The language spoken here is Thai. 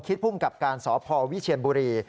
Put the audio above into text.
ภูมิกับการสพวิเชียนบุรี